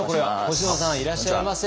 星野さんいらっしゃいませ。